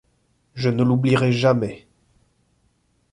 Je ne l’oublierai jamais !